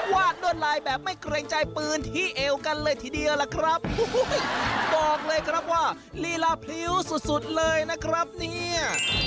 วาดลวดลายแบบไม่เกรงใจปืนที่เอวกันเลยทีเดียวล่ะครับบอกเลยครับว่าลีลาพริ้วสุดสุดเลยนะครับเนี่ย